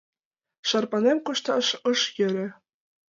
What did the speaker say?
Шарпанем кошташ ыш йӧрӧ.